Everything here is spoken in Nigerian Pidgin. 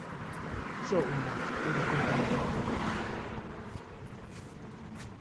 So una no be compani people?